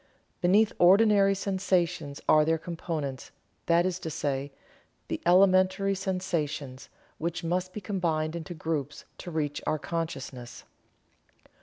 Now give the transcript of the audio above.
Beneath ordinary sensations are their components, that is to say, the elementary sensations, which must be combined into groups to reach our consciousness."